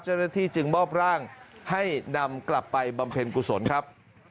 เจ้าหน้าที่จึงมอบร่างให้นำกลับไปบำเพ็ญกุศลครับ